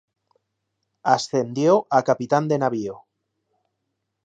Ascendió a capitán de navío.